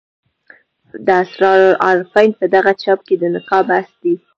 د اسرار العارفین په دغه چاپ کې د نکاح بحث دی.